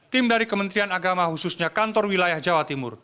tim dari kementerian agama khususnya kantor wilayah jawa timur